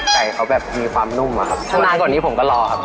ไก่เค้าแบบมีความนุ่มอะครับ